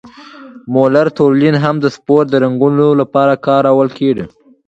مولر تلوین هم د سپور د رنګولو لپاره کارول کیږي.